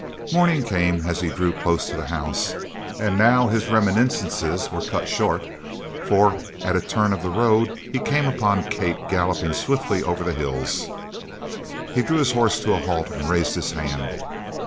Morning came as he drew close to the house, and now his reminiscences were cut short, for at a turn of the road he came upon Kate galloping swiftly over the hills. He drew his horse to a halt and raised his hand.